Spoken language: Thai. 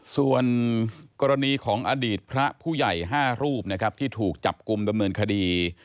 ส่วนกรณีของอดีตพระผู้ใหญ่๕รูปนะครับที่ถูกจับกลุ่มดำเนินคดี